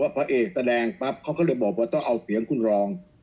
พระเอกแสดงปั๊บเขาก็เลยบอกว่าต้องเอาเสียงคุณรอง